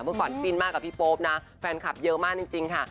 เมื่อก่อนจิ้นมากกับพี่โป๊ปนะแฟนคลับเยอะมากจริงค่ะ